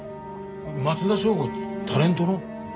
松田省吾ってタレントの？